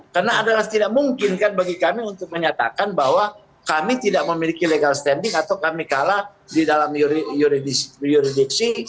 karena adalah tidak mungkin kan bagi kami untuk menyatakan bahwa kami tidak memiliki legal standing atau kami kalah di dalam yuridiksi